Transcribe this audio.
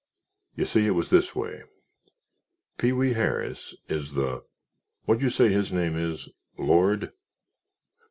"You see, it was this way. Pee wee Harris is the what'd you say his name is—Lord?